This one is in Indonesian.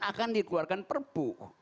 akan dikeluarkan perpu